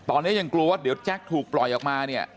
ตอนนี้ยังกลัวว่าเดี๋ยวแจ็คถูกปล่อยออกมาเนี่ย